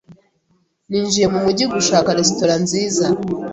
Ninjiye mu mujyi gushaka resitora nziza.